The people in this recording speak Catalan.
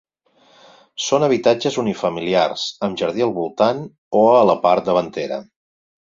Són habitatges unifamiliars, amb jardí al voltant o a la part davantera.